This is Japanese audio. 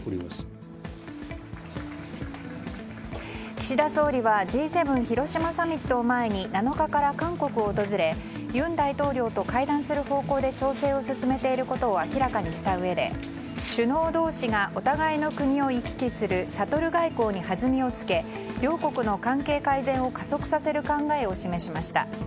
岸田総理はＧ７広島サミットを前に７日から韓国を訪れ尹大統領と会談する方向で調整を進めていることを明らかにしたうえで、首脳同士がお互いの国を行き来するシャトル外交に弾みをつけ両国の関係改善を加速させる考えを示しました。